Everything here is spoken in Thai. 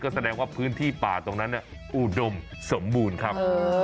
แสดงว่าพื้นที่ป่าตรงนั้นอุดมสมบูรณ์ครับ